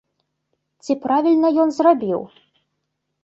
Ці правільна ён зрабіў?